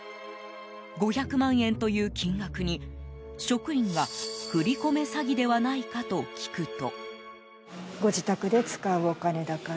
５００万円という金額に職員が振り込め詐欺ではないかと聞くと。